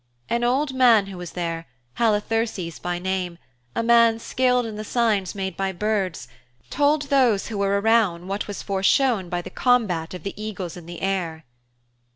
An old man who was there, Halitherses by name, a man skilled in the signs made by birds, told those who were around what was foreshown by the combat of the eagles in the air.